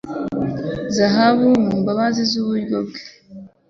Zahabu mu mbabazi z'uburyo bwe,